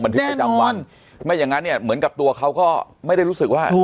ทึกประจำวันไม่อย่างนั้นเนี่ยเหมือนกับตัวเขาก็ไม่ได้รู้สึกว่า